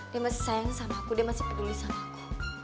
dia masih sayang sama aku dia masih peduli samaku